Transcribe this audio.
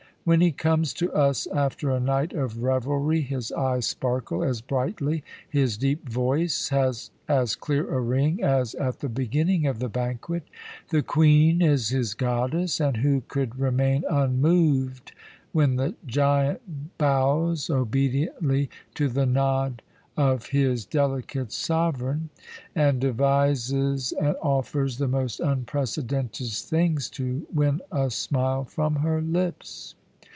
When he comes to us after a night of revelry his eyes sparkle as brightly, his deep voice has as clear a ring, as at the beginning of the banquet. The Queen is his goddess; and who could remain unmoved when the giant bows obediently to the nod of his delicate sovereign, and devises and offers the most unprecedented things to win a smile from her lips?